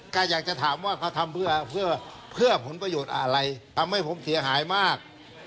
ก็อยากจะถามว่าเขาทำเพื่อเพื่อผลประโยชน์อะไรทำให้ผมเสียหายมาก